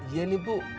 iya nih bu